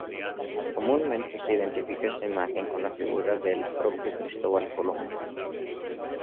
Comúnmente se identifica esta imagen con la figura del propio Cristóbal Colón.